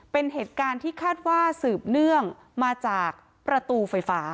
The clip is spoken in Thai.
เป็นเหตุการณ์ที่คาดว่าสืบเนื่องมาจากประตูไฟฟ้า